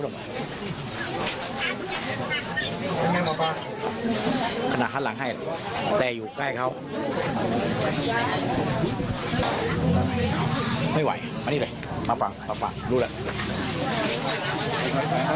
ไม่ไหวมานี่เลยมาฟังรู้แล้ว